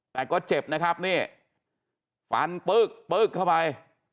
แต่ก็เจ็บนะครับนี่ฟันปึ๊กปึ๊กเข้าไป